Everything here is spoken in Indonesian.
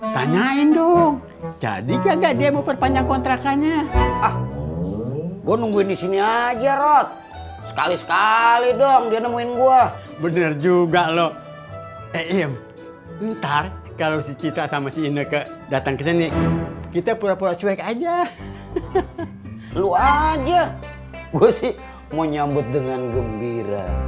tanyain dong jadi kagak dia mau perpanjang kontrakannya ah gua nungguin disini aja rod sekali sekali dong dia nemuin gua bener juga lo eh iyim ntar kalau si citra sama si inek datang kesini kita pura pura cuek aja lu aja gua sih mau nyambut dengan gembira